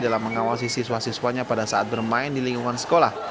dalam mengawasi siswa siswanya pada saat bermain di lingkungan sekolah